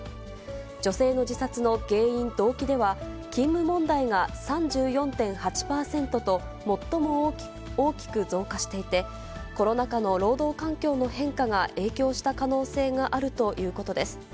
女性の自殺の原因・動機では、勤務問題が３４．８％と、最も大きく増加していて、コロナ禍の労働環境の変化が影響した可能性があるということです。